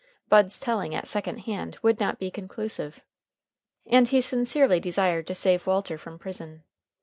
Bud's telling at second hand would not be conclusive. And he sincerely desired to save Walter from prison.